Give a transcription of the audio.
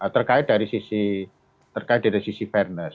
terkait dari sisi fairness